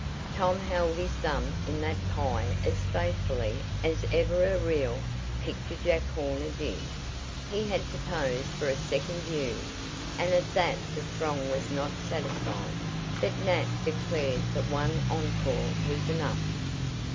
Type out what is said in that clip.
Tom held his thumb in that pie as faithfully as ever a real, picture Jack Horner did. He had to pose for a second view, and at that the throng was not satisfied, but Nat declared that one encore was enough.